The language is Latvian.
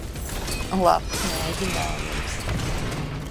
Labs mēģinājums.